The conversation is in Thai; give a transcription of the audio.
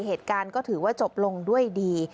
เหตุการณ์ก็ถือว่าจบลงด้วยดี